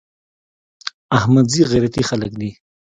احمدزي غيرتي خلک دي.